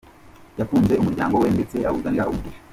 Yakunze umuryango we ndetse awuzanira umugisha.